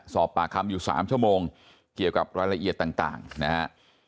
สอบปากคำอยู่๓ชั่วโมงเกี่ยวกับรายละเอียดต่างนะฮะ